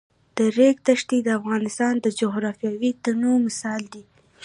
د ریګ دښتې د افغانستان د جغرافیوي تنوع مثال دی.